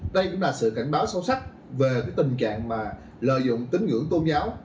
đây cũng là sự cảnh báo sâu sắc về tình trạng lợi dụng tính ngưỡng tôn giáo